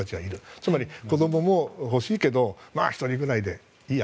つまり子供も欲しいけど１人ぐらいでいいや。